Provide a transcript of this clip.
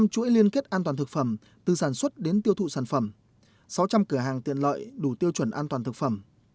năm chuỗi liên kết an toàn thực phẩm từ sản xuất đến tiêu thụ sản phẩm sáu trăm linh cửa hàng tiện lợi đủ tiêu chuẩn an toàn thực phẩm